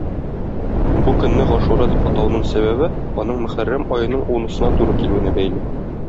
Бу көнне Гашура дип атауның сәбәбе аның Мөхәррәм аеның унысына туры килүенә бәйле.